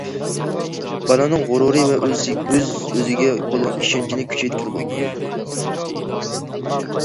بالىنىڭ غۇرۇرى ۋە ئۆز-ئۆزىگە بولغان ئىشەنچىنى كۈچەيتكىلى بولىدۇ.